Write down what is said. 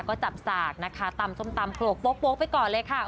ก็จับสากนะคะตำส้มตำโขลกโป๊กไปก่อนเลยค่ะ